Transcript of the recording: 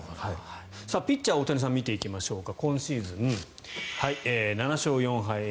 ピッチャー・大谷さん見ていきましょうか。